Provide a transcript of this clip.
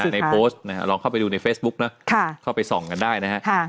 ในโพสต์ลองเข้าไปดูในเฟสบุ๊คเข้าไปส่องกันได้นะครับ